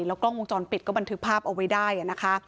กล้องวงจรปิดก็บันทึกภาพเอาไว้ได้นะคะ